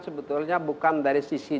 sebetulnya bukan dari sisi